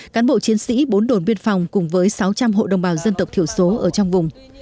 cán bộ chiến sĩ bốn đồn biên phòng cùng với sáu trăm linh hộ đồng bào dân tộc thiểu số ở trong vùng